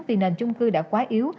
vì nền chung cư đã quá yếu